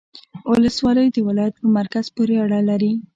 ولسوالۍ د ولایت په مرکز پوري اړه لري